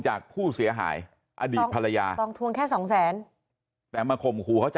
จากผู้เสียหายอดีตภรรยากองทวงแค่สองแสนแต่มาข่มขู่เขาจะ